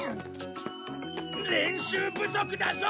練習不足だぞ！